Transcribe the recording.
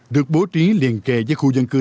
được bố trí liên kề với khu dân cư